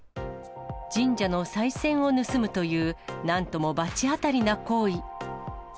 神社のさい銭を盗むという、なんとも罰当たりな行為。